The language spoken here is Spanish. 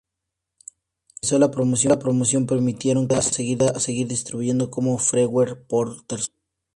Cuando finalizó la promoción, permitieron que se pueda seguir distribuyendo como freeware por terceros.